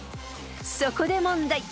［そこで問題］